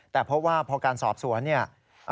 แต่เพราะว่าพอการสอบสวนเนี่ย